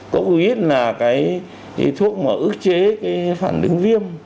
quốc quýt là cái thuốc mà ước chế phản ứng viêm